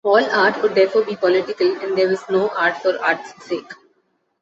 All art would therefore be political and there was no art for art's sake.